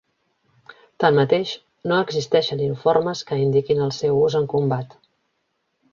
Tanmateix, no existeixen informes que indiquin el seu ús en combat.